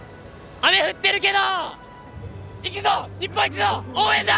雨降ってるけど行くぞ、日本一の応援団！